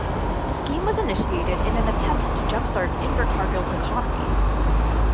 The scheme was initiated in an attempt to jumpstart Invercargill's economy.